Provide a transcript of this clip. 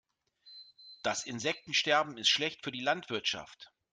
Das Insektensterben ist schlecht für die Landwirtschaft.